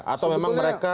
atau memang mereka